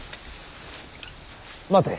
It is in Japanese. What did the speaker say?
待て。